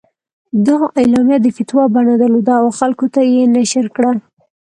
دا اعلامیه د فتوا بڼه درلوده او خلکو ته یې نشر کړه.